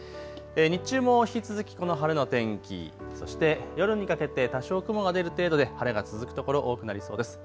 日中も引き続きこの晴れの天気、そして夜にかけて多少、雲が出る程度で晴れが続く所、多くなりそうです。